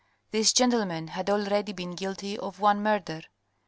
This gentleman had already been guilty of one murder.